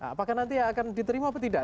apakah nanti akan diterima atau tidak